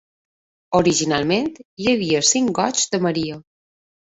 Originalment, hi havia cinc Goigs de Maria.